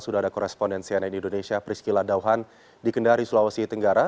sudah ada korespondensi ann indonesia priscila dauhan di kendari sulawesi tenggara